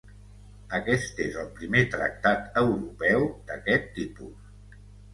Aquest és el primer tractat europeu d'aquest tipus.